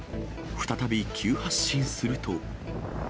再び急発進すると。